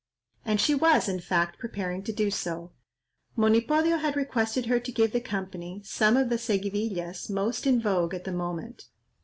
And she was, in fact, preparing to do so. Monipodio had requested her to give the company some of the Seguidillas most in vogue at the moment.